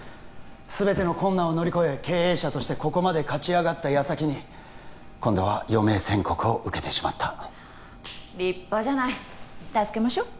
全ての困難を乗り越え経営者としてここまで勝ち上がった矢先に今度は余命宣告を受けてしまった立派じゃない助けましょう？